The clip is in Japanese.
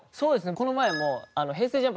この前も。